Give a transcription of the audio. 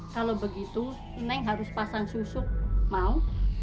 kalau begitu neng harus pasang susu mau